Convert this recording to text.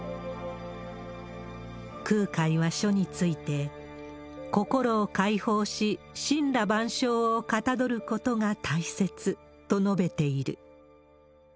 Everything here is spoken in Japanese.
空海は書について、心を開放し、森羅万象をかたどることが大切と述べている。